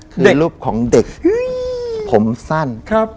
คือรูปของเด็กผมสั้น